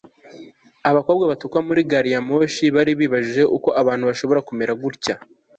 abakobwa batukwa muri gari ya moshi kandi bari bibajije uko abantu bashobora kumera gutya